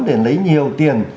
để lấy nhiều tiền